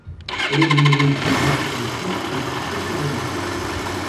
Elle est de nouveau utilisée pour le culte depuis quelques années.